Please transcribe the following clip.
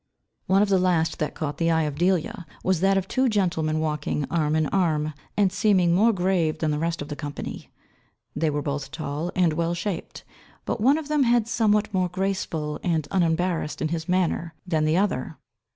One of the last that caught the eye of Delia, was that of two gentlemen walking arm in arm, and seeming more grave than the rest of the company. They were both tall and well shaped; but one of them had somewhat more graceful and unembarrassed in his manner than the other.